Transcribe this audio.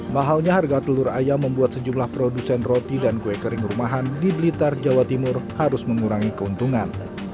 mahalnya harga telur ayam membuat sejumlah produsen roti dan kue kering rumahan di blitar jawa timur harus mengurangi keuntungan